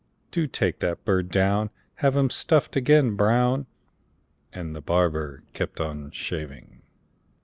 Do take that bird down; Have him stuffed again, Brown!" And the barber kept on shaving.